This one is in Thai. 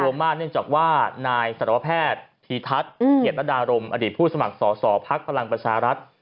รวมมากเนื่องจากว่านายศาลวภาพแพทย์ธีทัศน์เกียรตนรรดารมณ์อดีตผู้สมัครสอสอภัครังประชารัฐ